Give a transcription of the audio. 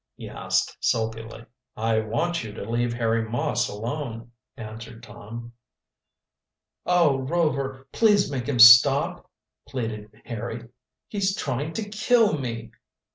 he asked sulkily. "I want you to leave Harry Moss alone," answered Tom. "Oh, Rover, please make him stop," pleaded Harry. "He's trying to kill me!"